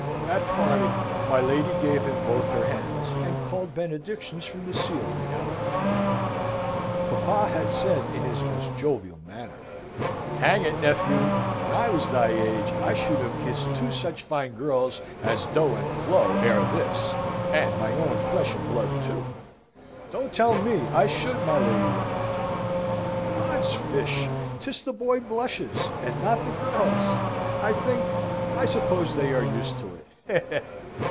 At parting, my lady gave him both her hands, and called benedictions from the ceiling down upon him. Papa had said in his most jovial manner, "Hang it, nephew! when I was thy age I should have kissed two such fine girls as Do and Flo ere this, and my own flesh and blood too! Don't tell me! I should, my Lady Warrington! Odds fish! 'tis the boy blushes, and not the girls! I think I suppose they are used to it.